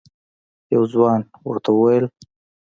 یو ځوان ورته وویل: